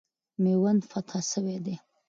میوند فتح سوی دی.